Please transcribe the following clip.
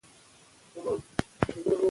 چي آزاد له پنجرو سي د ښکاریانو